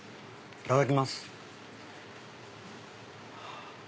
いただきます。